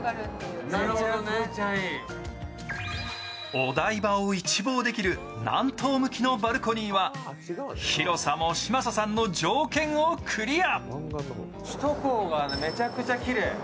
お台場を一望できる南東向きのバルコニーは広さも嶋佐さんの条件をクリア。